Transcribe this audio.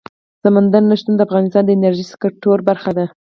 سمندر نه شتون د افغانستان د انرژۍ سکتور برخه ده.